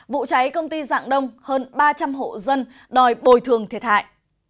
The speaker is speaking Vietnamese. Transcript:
vụ cháy công ty dạng đông hơn ba trăm linh hộ dân đòi bồi thường thiệt hại